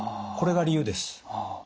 これが理由です。